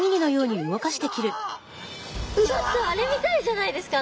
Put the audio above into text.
ちょっとあれみたいじゃないですか。